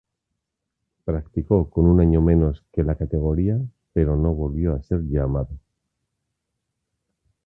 Practicó con un año menos que la categoría pero no volvió a ser llamado.